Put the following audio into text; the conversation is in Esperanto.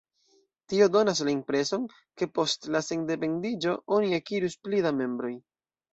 Tio donas la impreson, ke post la sendependiĝo oni akirus pli da membroj.